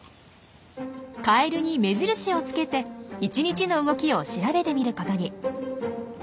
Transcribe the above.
カエルに目印をつけて１日の動きを調べてみることに。